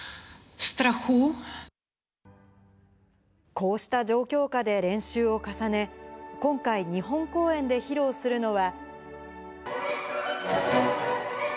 こうした状況下で練習を重ね、今回、日本公演で披露するのは。